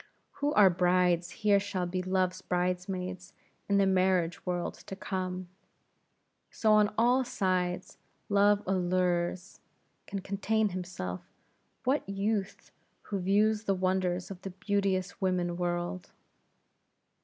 Who are brides here shall be Love's bridemaids in the marriage world to come. So on all sides Love allures; can contain himself what youth who views the wonders of the beauteous woman world?